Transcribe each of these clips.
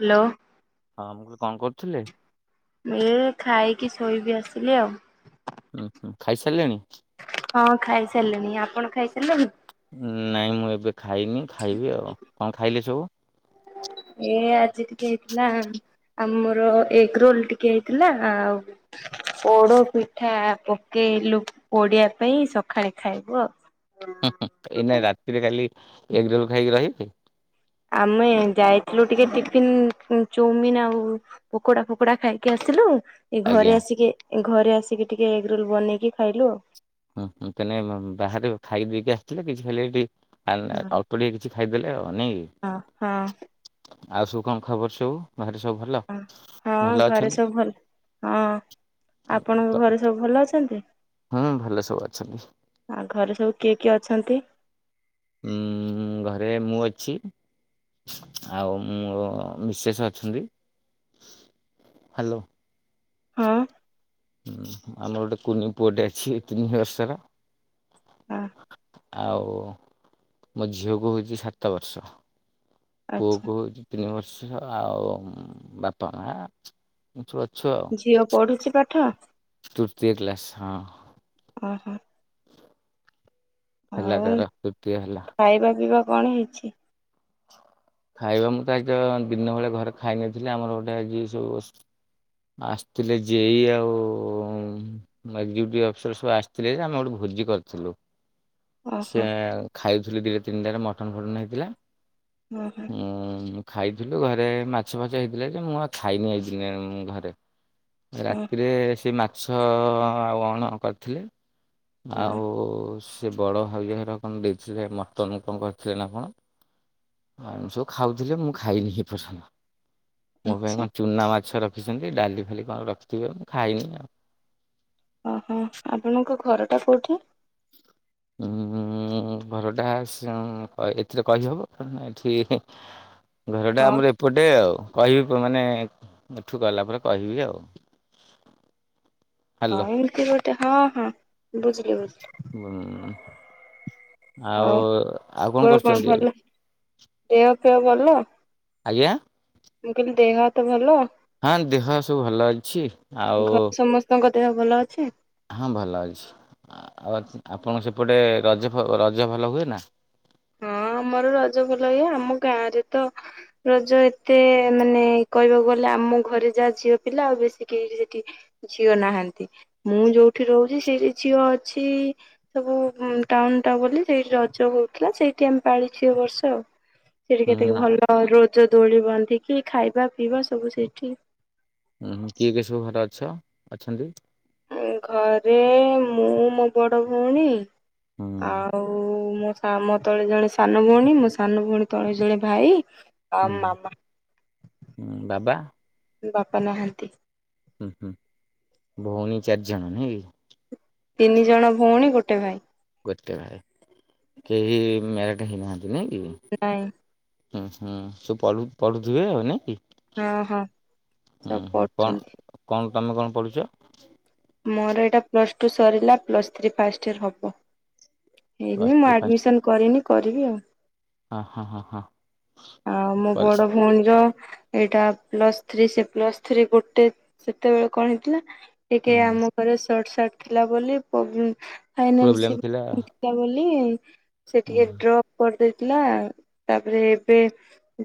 Hello. ହଁ ମୁଁ କହିଲି କଣ କରୁଥିଲେ? ଏଇ ଖାଇକି ଶୋଇବି ଆସିଲି ଆଉ। ଉଁହୁଁ, ଖାଇସାରିଲେଣି? ହଁ ଖାଇସାରିଲିଣି, ଆପଣ ଖାଇସାରିଲେଣି? ଉଁ ନାଇଁ ମୁଁ ଏବେ ଖାଇନି ଖାଇବି ଆଉ, କଣ ଖାଇଲେ ସବୁ? ଏ ଆଜି ଟିକେ ହେଇଥିଲା, ଆମର ଏଗ୍ ରୋଲ୍ ଟିକେ ହେଇଥିଲା ଆଉ ପୋଡ ପିଠା ପକେଇଲୁ ପୋଡିବା ପାଇଁ ସକାଳେ ଖାଇବୁ ଆଉ। ହୁଁ-ହୁଁ, ଏଇନା ରାତିରେ ଖାଲି ଏଗ୍ ରୋଲ୍ ଖାଇକି ରହିବେ? ଆମେ ଯାଇଥିଲୁ ଟିକେ ଟିଫିନ୍ ଚଉମିିନ୍ ଆଉ ପୋକୋଡା ଫୋକୋଡା ଖାଇକି ଆସିଲୁ। ଏ ଘରେ ଆଜ୍ଞା। ଆସିକି, ଘରେ ଆସିକି ଟିକେ ଏଗ୍ ରୋଲ୍ ବନେଇକି ଖାଇଲୁ ଆଉ। ହୁଁହୁଁ, ତେଣେ ବାହାରେ ଖାଇପିଇକି ଆସିଥିଲେ କିଛି ଖାଲି ଏଇଠି [unintelligible] ଅଳ୍ପ ଟିକେ କିଛି ଖାଇଦେଲେ ଆଉ ନାଇଁ କି? ହଁ ହଁ ଆଉ ସବୁ କଣ ଖବର ସବୁ? ବାହାରେ ସବୁ ଭଲ, ହଁ ହଁ ଭଲ ଘରେ ଅଛନ୍? ସବୁ ଭଲ ହଁ ଆପଣଙ୍କ ଘରେ ସବୁ ଭଲ ଅଛନ୍ତି? ହୁଁ ଭଲ ସବୁ ଅଛନ୍ତି। ଆଉ ଘରେ ସବୁ କିଏ କିଏ ଅଛନ୍ତି? ଉଁ-ଉଁ-ଉଁ ଘରେ ମୁଁ ଅଛି। ଆଉ ମୋ ମିସେସ୍ ଅଛନ୍ତି, ହ୍ୟାଲୋ। ହୁଁ। ଉଁ ହୁଁ, ଆମର ଗୋଟେ କୁନି ପୁଅଟେ ଅଛି ଏ ତିନି ବର୍ଷର। ଆ ଆଉ ମୋ ଝିଅକୁ ହଉଛି ସାତ ବର୍ଷ, ଆଚ୍ଛା ପୁଅକୁ ହଉ ତିନି ବର୍ଷ ଆଉ-ଉ-ଉ ବାପା ମାଆ ଏମିତି ସବୁ ଅଛୁ। ଝିଅ ପଢୁଛି ପାଠ? ତୃତୀୟ କ୍ଲାସ୍ ହଁ। ଉଁ ହୁଁ। ହେଲା ଆଉ ତାର, ତୃତୀୟ ହେଲା। ଖାଇବା ପିଇବା କଣ ହେଇଛି? ଖାଇବା ମୁଁ ତ ଆଜି ତ ଦିନ ବେଳେ ଘରେ ଖାଇନଥିଲି ଆମର ଗୋଟେ ଆଜି ସୋ ଆସିଥିଲେ ଜେ ଇ ଆଉ ଏକଜିକ୍ୟୁଟିଭ୍ ଅଫିସର ସବୁ ଆସିଥିଲେ ଯେ ଆମେ ଗୋଟେ ଭୋଜି କରିଥିଲୁ। ଓହୋ ସେ-ଏ-ଏ ଖାଇଥିଲି ଦି ତିନିଟାରେ ମଟନ ଫଟନ ହେଇଥିଲା। ହୁଁ। ଉଁ-ଉଁ-ଉଁ ମୁଁ ଖାଇଥିଲୁ ଘରେ ମାଛଫାଛ ହେଇଥିଲା ଯେ ମୁଁ ଆଉ ଖାଇନି ଆଜି ଦିନଯାକ ଘରେ। ହଁ ରାତିରେ ସେ ମାଛ-ଅ-ଅ ଆଉ ଅଣ କରିଥିଲେ। ହଁ ଆଉ-ଉ-ଉ ସେ ବଡ ଭାଉଜ ଘର କଣ ଦେଇଥିଲେ ମଟନ କଣ କରିଥିଲେ ନା କଣ। ଆଉ ସବୁ ଖାଉଥିଲେ ମୁଁ ଖାଇନି ଏପର୍ଯ୍ୟନ୍ତ। ମୋ ପାଇଁ ଆଚ୍ଛା କଣ ଚୁନା ମାଛ ରଖିଛନ୍ତି ଡାଲିଫାଲି କଣ ରଖିଥିବେ ମୁଁ ଖାଇନି ଆଉ। ଓହୋଃ, ଆପଣଙ୍କ ଘରଟା କୋଉଠି? ଉଁ ହୁଁ। ଉଁ, ଘରଟା ସଁ ଏଥିରେ କହିହେବ କାରଣ ଏଠି ଘରଟା ହଁ ଆମର ଏପଟେ ଆଉ। କହିବି ପର ମାନେ, ଏଠୁ ଗଲା ପରେ କହିବି ଆଉ ହଁ, ହାଲୋ। ଏମିତି ଗୋଟେ ହଁ, ହଁ, ବୁଝିଲି, ବୁଝିଲି ହୁଁ, ଆଉ, ଆଉ କଣ ତୋର କରୁଛନ୍ତି ଭଲ ଏବେ? ଦେହ ଫେହ ଭଲ? ଆୟାଁ! ମୁଁ କହିଲି ଦେହ ହାତ ଭଲ? ହଁ, ଦେହ ସବୁ ଭଲ ଅଛି। ଆଉ ଘରେ ସମସ୍ତଙ୍କ ଦେହ ଭଲ ଅଛି? ହଁ, ଭଲ ଅଛି। ଆଉ, ଆପଣଙ୍କ, ସେପଟେ ରଜ ଫ ରଜ ଭଲ ହୁଏ ନା? ହଁ, ଆମର ରଜ ଭଲ ହିଏ। ଆମ ଗାଁ ରେ ତ ରଜ ଏତେ ମାନେ କହିବାକୁ ଗଲେ, ଆମ ଘରେ ଯାହା ଝିଅ ପିଲା, ଆଉ ବେଶୀ କେଇ ସେଠି ଝିଅ ନାହାଁନ୍ତି। ମୁଁ ଯୋଉଠି ରହୁଛି। ସେଇଠି ଝିଅ ଅଛି। ସବୁ ଟାଉନ୍ ଟା ବୋଲି ସେଇଠି ରଜ ହଉ ଥିଲା। ସେଇଠି ଆମେ ପାଳିଛି ଏ ବର୍ଷ ଆଉ। ସେଠି ହୁଁ କେତକି ଭଲ ରୋ ଜ ଦୋଳି ବାନ୍ଧିକି ଖାଇବା ପିଇବା ସବୁ ସେଇଠି। ଉୁଁ ହୁଁ କିଏ କିଏ ସବୁ ଘରେ ଅଛ ଅଛନ୍ତି? ଘରେ ମୁଁ, ମୋ ବଡ ଭଉଣୀ, ହୁଁ ଆ ଆଉ-ଉ, ମୋ ସା ମୋ ତଳେ ଜଣେ ସାନ ଭଉଣୀ, ମୋ ସାନ ଭଉଣୀ ତଳେ ଜଣେ ଭାଇ। ହୁଁ ଆଉ ମାମା, ହୁଁ ବାବା ବାପା ନାହାଁନ୍ତି। ହୁଁ, ହୁଁ ଭଉଣୀ ଚାରିଜଣ ନାଇଁ କି? ତିନି ଜଣ ଭଉଣୀ ଗୋଟେ ଭାଇ। ଗୋଟେ ଭାଇ, କେହି ମ୍ୟାରେଡ଼ ହେଇନାହାଁନ୍ତି ନାଇଁ କି? ନାଇଁ। ହୁଁ, ହୁଁ, ସ ପଢୁ-ପଢୁଥିବେ ଆଉ ନାଇଁ କି? ହଁ, ହଁ ହୁଁ ସବୁ ହୁଁ କଣ ପଢୁଚନ୍ତି। କଣ ତୁମେ କଣ ପଢୁଚ? ମୋର ଏଇଟା ପ୍ଲସ୍ ଟୁ ସରିଲା। ପ୍ଲସ୍ ଥ୍ରୀ ଫାଷ୍ଟ ଇୟର ହବ। ପ୍ଲସ୍ ହେଇନି, ମୁଁ ଥ୍ରୀ ଫାଷ୍ଟ ଆଡମିସନ କରିନି, କରିବି ଆଉ। ହଁ ହଁ ହଁ ହଁ କରି ଭଉଣ ର ଏଇଟା ପ୍ଲସ୍ ଥ୍ରୀ, ସେ ପ୍ଲସ୍ ଥ୍ରୀ ଗୋଟେ ସେତେବେଳେ କଣ ହେଇଥିଲା। କେ ଆମ ଘରେ ସଟ ସାର୍ଟ ଥିଲା ବୋଲି ପୋବେମ୍ ଫାଇନାନ୍ସିଭ ଥିଲା ବୋଲିଁ ସେ ହୁଁ ଟିକେ ଡ୍ରପ୍ କରିଦେଇଥିଲା। ତା'ପରେ ଏବେ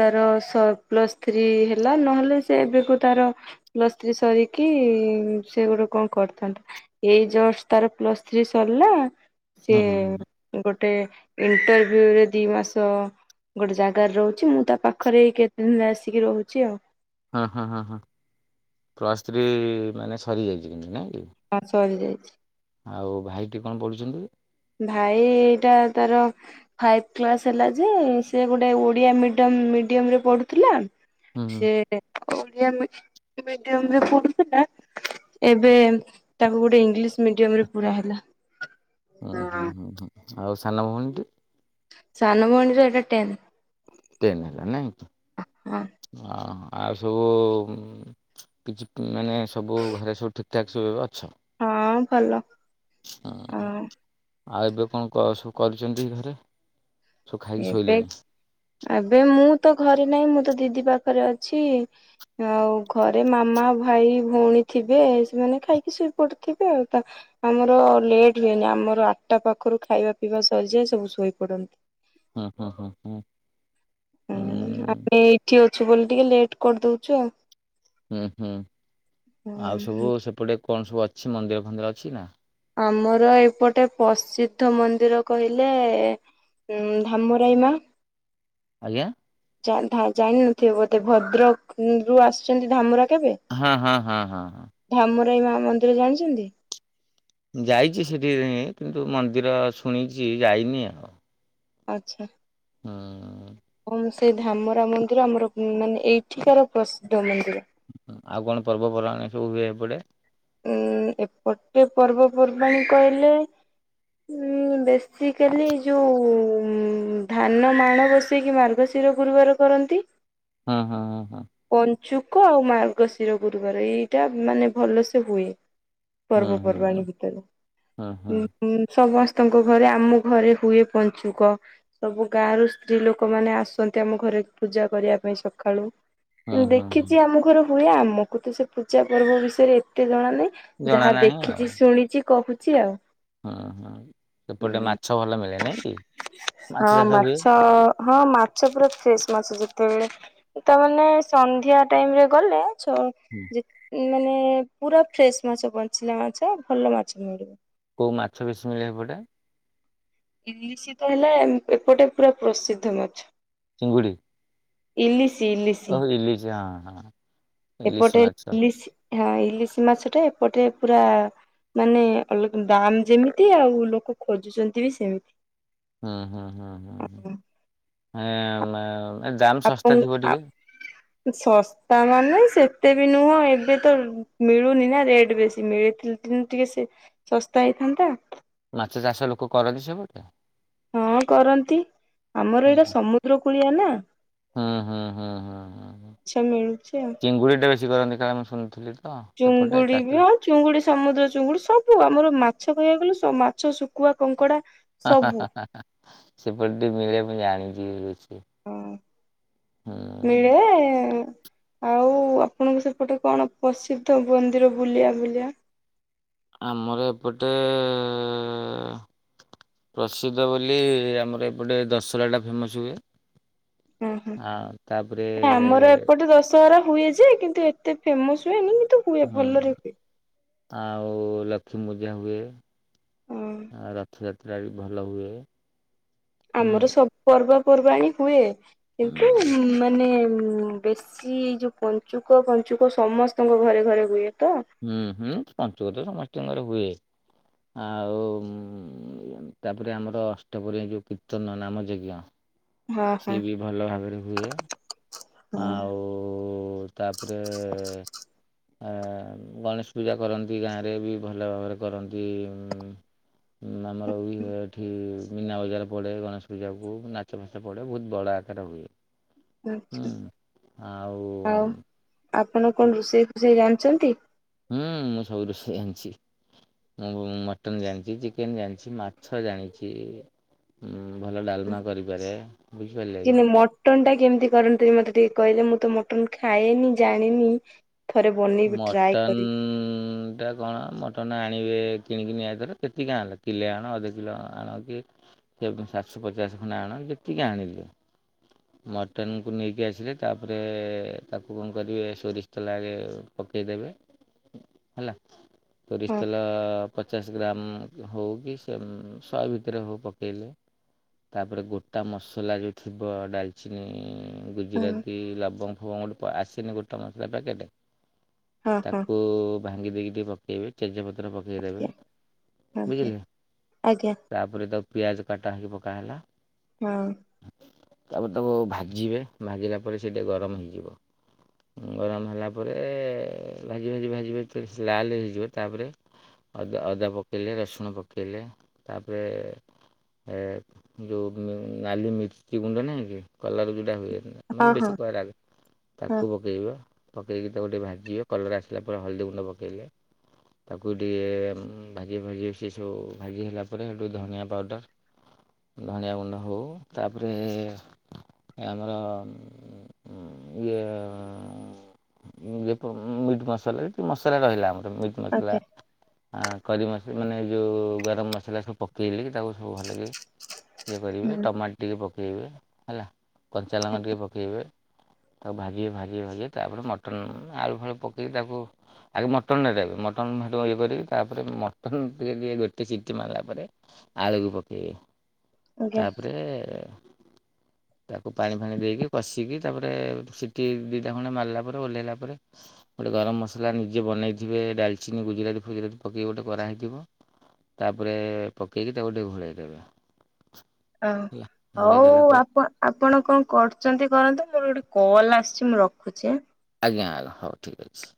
ତାର ସ ପ୍ଲସ୍ ଥ୍ରୀ ହେଲା, ନହେଲେ ସେ ଏବେକୁ ତାର ପ୍ଲସ୍ ଥ୍ରୀ ସରିକି-ଇ ସେ ଗୋଟେ କଣ କରିଥାନ୍ତା? ଏଇ ଜଷ୍ଟ, ତାର ପ୍ଲସ୍ ଥ୍ରୀ ସରିଲା। ହୁଁ ହଁ ସିଏ ଗୋଟେ ଇଣ୍ଟରଭି୍ୟୁରେ ଦି ମାସ ଗୋଟେ ଜାଗାରେ ରହୁଛି। ମୁଁ ତା ପାଖରେ ଏଇ କେତେ ଦିନ ଆସିକି ରହୁଛି ଆଉ। ହଁ ହଁ ହଁ ହଁ ପ୍ଲସ୍ ଥ୍ରୀ ମାନେ ସରିଯାଇଛି କିନ୍ତୁ ନାଇଁ କି? ହଁ ସରି ଯାଇଛି। ଆଉ ଭାଇଟି କଣ ପଢୁଛନ୍ତି? ଭାଇ-ଇ-ଇ ଟା ତାର ଫାଇଫ୍ କ୍ଲାସ୍ ହେଲା ଯେ, ସେ ଗୋଟେ ଓଡିଆ ମିଡିୟମ୍ ମିଡିୟମ୍ ରେ ପଢୁଥିଲା। ହୁଁ ସେ ହୁଁ ଓଡ଼ିଆ ମି ମିଡିୟମ୍ ରେ ପଢୁଥିଲା ଏବେ ତାକୁ ଗୋଟେ ଇଂଲିଶ ମିଡିୟମରେ ପୁରା ହେଲା। ହଁ ଓହୋ ହ ଆଉ ସାନ ଭଉଣୀଟି? ସାନ ଭଉଣିର ଏବେ ଟେନ୍ଥ। ଟେନ ହେଲାଣି। ହଁ ଅଁ ଆଉ ସବୁ କିଛି ମାନେ ସବୁ ଘରେ ସବୁ ଠିକ। ଟ୍ୟାକ୍ସକୁ ଅଛି। ହଁ ଭଲ ଆ ଆଉ ଏବେ କଣ କସ କରିଛନ୍ତି ଘରେ? ସବୁ ଖାଇକି ଏବେ ଶୋଇଲେଣି? ଆବେ ମୁଁ ତ ଘରେ ନାହିଁ। ମୁଁ ତ ଦିଦି ପାଖରେ ଅଛି। ଆଉ ଘରେ ମାମା, ଭାଇ, ଭଉଣୀ ଥିବେ ସେମାନେ ଖାଇକି ଶୋଇ ପଡ଼ିଥିବେ। ଆଉ ତା ଆମର ଲେଟ୍ ହୁଏନି। ଆମର ଆଠଟା ପାଖରୁ ଖାଇବା ପିଇବା ସରିଯାଏ ସବୁ ଶୋଇପଡନ୍ତି। ହଁ ହଁ ହୁଁ ଉଁ ଉଁ ଉଁ। ହୁଁ ଆମେ ଏଠି ଅଛୁ ବୋଲି ଟିକେ ଲେଟ କରିଦଉଛୁ। ଆଉ ହୁଁ ହୁଁ ଆଉ ହୁଁ ସବୁ ସେପଟେ କଣ ସବୁ ଅଛି। ମନ୍ଦିର ଫନ୍ଦିର ଅଛି ନା? ଆମର ଏପଟେ ପ୍ରସିଦ୍ଧ ମନ୍ଦିର କହିଲେ ଉଁ ଧାମରାଇ ମା। ଆଜ୍ଞା। ଜାଣିି ଧା ଜାଣି ନଥିବ ବୋଧେ। ଭଦ୍ରକରୁୁ ଆସିଛନ୍ତି ଧାମରା କେବେ? ହଁ ହଁ ହଁ ହଁ ହଁ। ଧାମରାଇ ମା ମନ୍ଦିର ଜାଣିଛନ୍ତି? ଯାଇଛି ସେଠିକି କିନ୍ତୁ ମନ୍ଦିର ଶୁଣିଛି ଯାଇନି। ଆଉ ଆଚ୍ଛା। ଅ ହଁ ସେଇ ଧାମରା ମନ୍ଦିର ଆମର ମାନେ ଏଇଠିକାର ପ୍ରସିଦ୍ଧ ମନ୍ଦିର। ଆଉ କଣ ପର୍ବପର୍ବାଣୀ ସବୁ ହୁଏ ଏପଟେ? ଏ ଏପଟେ ପର୍ବପର୍ବାଣି କହିଲେ ଉଁ ବେସିକାଲି ଯୋଉ ଉ ଉ ଉଁ ଧାନ ମାଣ ବସେଇକି ମାର୍ଗଶିର ଶିର ଗୁରୁବାର କରନ୍ତି। ହଁ ହଁ ହଁ। ପଞ୍ଚୁକ ଆଉ ମାର୍ଗଶିର ଗୁରୁବାର ଏଇଟା ମାନେ ଭଲ ସେ ହୁଏ। ହୁଁ ହୁଁ ପର୍ବପର୍ବାଣି ଭିତରେ ହୁଁ। ହୁଁ ସମସ୍ତଙ୍କ ଘରେ। ଆମ ଘରେ ହୁଏ ପଞ୍ଚୁକ। ସବୁ ଗାଁ ର ସ୍ତ୍ରୀ ଲୋକମାନେ ଆସନ୍ତି। ଆମ ଘରେ ପୂଜା କରିବା ପାଇଁ ସକାଳୁ। ହୁଁ ହୁଁ ଦେଖିଛି ହୁଁ। ଆମ ଘରେ ହୁଏ। ଆମକୁ ତ ସେ ପୂଜା ପର୍ବ ବିଷୟରେ ଏତେ ଜଣା ନାହିଁ। ଜଣା ଯାହା ନାହିଁ ଦେଖିଛି ଶୁଣିଛି କହୁଛି ଆଉ ହଁ ହଁ ସେପଟେ ହୁଁ। ମାଛ ଭଲ ମିଳେ ନାଇଁ କି? ମାଛ ହଁ ଚାଷ ହୁଏ ମାଛ ହଁ ମା ସେ ପୁରା ଫ୍ରେଶ୍ ମାଛ ଯେତେବେଳେ। ତା ମାନେ ସନ୍ଧ୍ୟା ଟାଇମରେ ଗଲେ ସେ [inaudible] ଏ ମାନେ ପୁରା ଫ୍ରେଶ ମାଛ। ବଞ୍ଚିଲା ମାଛ। ଭଲ ମାଛ କୋଉ ମାଛ ବେଶୀ ମିଳେ ଏପଟେ? ଇଲିସି ତ ହେଲା ଏପଟେ ପୁରା ପ୍ରସିଦ୍ଧ ମାଛ। ଚୁଙ୍ଗୁଡ଼ି। ଇଲିସି ଇଲିସି। ଓହୋ ଇଲିସି ହାଁ ହାଁ। ଏପଟେ ଇଲିସି ହଁ ଇଲିସି ମାଛଟା ଏପଟେ ପୁରା। ମାନେ ଅଲଗ ଦାମ୍ ଯେମିତି‌ ଆଉ ଲୋକେ ଖୋଜୁଛନ୍ତି ବି ସେମିତି। ହୁଁ ହୁଁ ହୁଁ ହୁଁ ହୁଁ ଏଁ ମେଁ। ଆପଣ ଆପ୍ ଶସ୍ତା ମାନେ ସେତେ ବି ନୁହଁ। ଏବେ ତ। ମିଳୁନି ନା ରେଟ ବେଶୀ ‌ମିଳି ଥିଲେ ଟିକ୍ ଟିକେ ସେ ଶସ୍ତା ହେଇଥାନ୍ତା। ମାଛ ଚାଷ ଲୋକ କରନ୍ତି ସେପଟେ। ହଁ କରନ୍ତି ଆମର ହଁ ଏଇଟା ସମୁଦ୍ର କୂଳିଆ ନା। ହୁଁ ହୁଁ ହୁଁ ହୁଁ ହୁଁ ହୁଁ ଆଚ୍ଛା ମିଳୁଛି ଆଉ। ଚିଙ୍ଗୁଡ଼ି ଟା ବେଶୀ କରନ୍ତି କାଇଁ ନା ମୁଁ ଶୁଣୁଥିଲି। ତ ସେପଟେ ଚୁଙ୍ଗୁଡି ବି ଚାଷ। ହଁ ଚୁଙ୍ଗୁଡି ସମୁଦ୍ର ଚୁଙ୍ଗୁଡି ସବୁ ଆମର ମାଛ କହିବାକୁ ଗଲେ ସ ମାଛ ଶୁଖୁଆ କଙ୍କଡା। ହାଁ ହାଁ ସବୁ ହାଁ ହାଁ ହାଁ ସେପଟେ ମିଳେ ମୁଁ ଜାଣିଛି ବେସି। ହଁ ମିଳେ। ଆଉ ଆପଣଙ୍କ ସେପଟେ କଣ ପ୍ରସିଦ୍ଧ ମନ୍ଦିର ବୁଲଆ ବୁଲଆ। ଆମର ଏପଟେ। ପ୍ରସିଦ୍ଧ ବୋଲି ଆମର ଏପଟେ ଦଶହରା ଟା ଫେମସ ହୁଏ। ହଁ ହଁ ଆଉ ତାପରେ। ଆମର ଏପଟେ ଦଶହରା ହୁଏ ଯେ କିନ୍ତୁ ଏତେ ଫେମସ୍ ହୁଏନି କିନ୍ତୁ। ହୁଏ ହୁଁ ଭଲରେ ହୁଏ। ଆଉ ଲକ୍ଷ୍ମୀ ପୂଜା ହୁଏ। ହଁ। ଆ ରଥଯାତ୍ରା ବି ଭଲ ହୁଏ। ହୁଁ। ଆମର ସବୁ ପର୍ବ ପର୍ବାଣୀ ହୁଏ କିନ୍ତୁ ଉଁ ମାନେ। ବେଶୀ ଏଇ ଯୋଉ ପଞ୍ଚୁକ ପଞ୍ଚୁକ ସମସ୍ତଙ୍କ ଘରେ ଘରେ ହୁଏ ତ। ହୁଁ ହୁଁ ପଞ୍ଚୁକତ ସମସ୍ତିଙ୍କ ଘରେ ହୁଏ। ଆଉ ଉଁ ତାପରେ ଆମର ଅଷ୍ଟପହରି ଏ ଯୋଉ କୀର୍ତ୍ତନ ନାମଯଜ୍ଞ। ହଁ ହଁ ସିଏ ବି ଭଲ ଭାବରେ ହୁଏ। ହଁ। ଆଉ ତାପରେ। ଆ ଗଣେଶ ପୂଜା କରନ୍ତି ଗାଁରେ ବି ଭଲ ଭାବରେ କରନ୍ତି ଉଁ। ଉଁ ଆମର ହୁଏ ଏଠି। ମୀନା ବଜାର ପଡ଼େ ଗଣେଶ ପୂଜାକୁ ନାଚ ଫାଚ ପଡ଼େ ବହୁତ ବଡ଼ ଆକାର ହୁଏ। ହୁଁ ଆଛା ଆଉ ଆଉ ଆପଣ କଣ ରୋଷେଇ ଫୋସେଇ ଜାଣିଛନ୍ତି। ହୁଁ ମୁଁ ସବୁ ରୋଷେଇ ଜାଣିଛି। ମୁଁ ବୁ ମଟନ ଜାଣିଛି ଚିକେନ ଜାଣିଛି ମାଛ ଜାଣିଛି। ଉଁ ଭଲ ଡାଲମା କରିପାରେ ବୁଝି ପାରିଲେ କି। ମଟନ ଟା କେମିତି କରନ୍ତି‌ ଟିକେ ମତେ ଟିକେ କହିଲେ ମୁଁ ତ ମଟନ୍ ଖାଏନି ଜାଣିନି। ଥରେ ବନେଇବି ଟ୍ରାଏ ମଟନ୍ କରିବି ଟା। କଣ ମଟନ୍ ଆଣିବେ କିଣିକି ନି ଆ ଧେରେ କେତିକି ଆଣିଲ କିଲେ ଆଣ ଅଧ କିଲୋ ଆଣ କି। କି ଆପ୍ ସାତଶ ପଚାଶ ଖଣ୍ଡେ ଆଣ ଯେତିକି ଆଣିଲେ। ମଟନକୁ ନେଇକି ଆସିଲେ ତାପରେ ତାକୁ କଁ କରିବେ ସୋରିଷ ତେଲ ଆଗେ ପକେଇ ଦେବେ। ହେଲା ଷୋରିଷ ହଁ। ତେଲ ପ ପଚାଶ ଗ୍ରାମ ହଉ କି ସେମ୍ ଶହେ ଭିତରେ ହଉ ପକେଇଲେ। ତାପରେ ଗୋଟା ମସଲା ଯୋଉ‌ ଥିବ ଡାଲଚିନି ହଁ ଗୁଜୁରାତି ଲବଙ୍ଗ ଫବଙ୍ଗ ଗୋଟେ। ଆସେନି ଗୋଟେ ମସଲା ପ୍ୟାକେଟ ହଁ ହଁ ତାକୁ। ଭାଙ୍ଗି ଦେଇକି ଟିକେ ପକେଇବେ ତେଜ ପତ୍ର ପକେଇ ଦେବେ। ଆଜ୍ଞା ଆଜ୍ଞା ଆଜ୍ଞା। ତାପରେ ତାକୁ ପିଆଜ କାଟା ହେଇକି ପକା ହେଲା। ହୁଁ। ତାପରେ ତାକୁ ଭାଜିବେ ଭାଜିଲା ପରେ ସେଇଟା ଗରମ ହେଇଯିବ ଗରମ ହେଲା ପରେ ଭାଜି ଭାଜି ଭାଜି ଭାଜି ଯେ ସେ ଲାଲ ହେଇଯିବ ତାପରେ ଅଦା ଅଦା ପକେଇଲେ ରସୁଣ ପକେଇଲେ ତାପରେ ଏ ଯୋଉ ନାଲି ମିର୍ଚି ଗୁଣ୍ଡ ନାହିଁ ହୁ କଲର ଯୋଉଟା ହୁଏ ହଁ ମାନେ ହଁ ବେଶୀ କ ରାଗ ହଁ ତାକୁ ପକେଇବ ପକେଇକି ତାକୁ ଟିକେ ଭାଜିବ କଲର୍ ଆସିଲା ପରେ ହଳଦୀ ଗୁଣ୍ଡ ପକେଇଲେ ତାକୁ ଟିଏ ଭାଜି ଭାଜି ସେ ସବୁ ଭାଜି ହେଲା ପରେ ହେଇଠୁ ଧନିଆ ପାଉଡ଼ର ଧଣିଆ ଗୁଣ୍ଡ ହଉ ତାପରେ ଏ ଆମର ଇଏ [inaudible] ମିଟ୍ ମସଲା ରେ ଯୋଉ ମସଲା ରହିଲା ଆମର ମସଲା ଆଜ୍ଞା ଆ କରି ମସ୍ ମାନେ ଏ ଯୋଉ ଗରମ ମସଲା ସବୁ ପକେଇଲେ ତାକୁ ସବୁ ଭଲକି ଇଏ କରିବେ ହୁଁ ଟମାଟ ଟିକେ ପକେଇବେ ହେଲା। କଞ୍ଚା ଲଙ୍କା ଟିକେ ପକେଇବେ। ତାକୁ ଭାଜିବେ ଭାଜିବେ ଭାଜିବେ ତାପରେ ମଟନ୍ ଆଳୁ ଫାଳୁ ପକେଇକି ତାକୁ ଆଗ ମଟନ ନେବେ ମଟନ ହେଟୁ ଇଏ କରିବି ତାପରେ ମଟନ୍ ଟି ଏ ଟିଏ ଗୋଟେ ସିଟି ମାରିଲା ପରେ ଆଳୁକୁ ପକେଇବେ ଆଜ୍ଞା। ତାପରେ ତାକୁ ପାଣି ଫାଣି ଦେଇକି କଷିକି ତାପରେ ସିଠି ଦିଟା ଖଣ୍ଡେ ମାରିଲା ପରେ ଓହ୍ଲେଇଲା ପରେ ଗୋଟେ ଗରମ ମସଲା ନିଜେ ବନେଇଥିବେ ଡାଲଚିନି ଗୁଜୁରାତି ଫୁଜୁରାତି ପକେଇ ଗୋଟେ କରାହେଇଥିବ ତାପରେ ପକେଇକି ତାକୁ ଟିକେ ଘୋଳେଇ ଦେବେ। ଅଉ ହେଲା। ଘୋଡ଼େଇ ହଉ ଦେଲା ପରେ ଆପ ଆପଣ କଂ କରୁଛନ୍ତି କରନ୍ତୁ ମୋର ଗୋଟେ କଲ୍ ଆସିଛି ମୁଁ ରଖୁଛି ଆଁ। ଆଜ୍ଞା ଆ୍ ହଉ ଠିକ୍ ଅଛି।